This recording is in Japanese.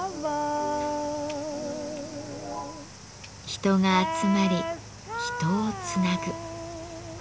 人が集まり人をつなぐ。